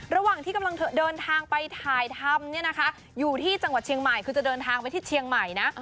ระหว่างที่กำลังเดินทางไปถ่ายทำเนี่ยนะคะอยู่ที่จังหวัดเชียงใหม่คือจะเดินทางไปที่เชียงใหม่นะ